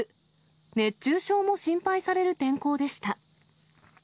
熱中症も心配される天候でした。